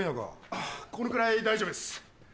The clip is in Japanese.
あぁこのくらい大丈夫です。